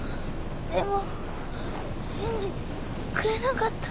でも信じてくれなかった。